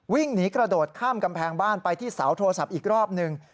วิ่งหนีกระโดดข้ามกำแพงบ้านไปที่เสาโทรศัพท์อีกรอบหนึ่ง